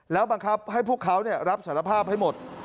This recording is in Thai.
แล้วบังคับให้พวกเขารับสารภาพให้หมด